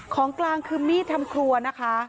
ของกลางคือมีดทำครัวนะคะ